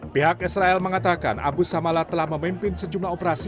pihak israel mengatakan abu samalah telah memimpin sejumlah operasi